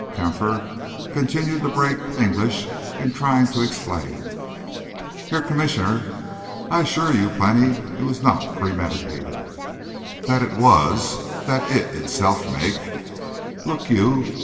Kampfer continued to break English in trying to explain. "Herr Gommissioner, I assure you blenty sat I haf not it bremeditated—sat it wass—sat it itself make. Look you!